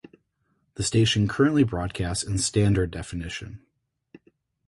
The station currently broadcasts in standard definition.